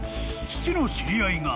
［父の知り合いが］